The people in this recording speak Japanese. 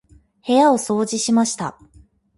部屋を掃除しました。